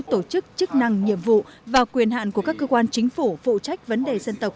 tổ chức chức năng nhiệm vụ và quyền hạn của các cơ quan chính phủ phụ trách vấn đề dân tộc